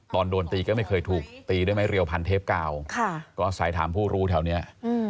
ตอนโดนตีก็ไม่เคยถูกตีด้วยไม้เรียวพันเทปกาวก็อาศัยถามผู้รู้แถวนี้